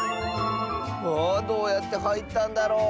あどうやってはいったんだろう。